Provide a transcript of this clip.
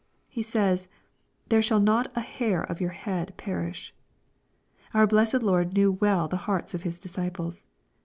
He says " there shall/ not an hair of your head perish." Our blessed Lor< knew well the hearts of His disciples.